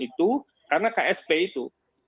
itu karena ksp itu